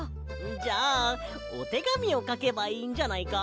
じゃあおてがみをかけばいいんじゃないか？